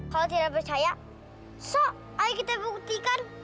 kalau tidak percaya so ayo kita buktikan